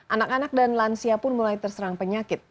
anak anak dan lansia pun mulai terserang penyakit